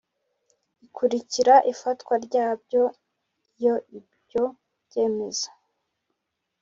ikurikira ifatwa ryabyo Iyo ibyo byemezo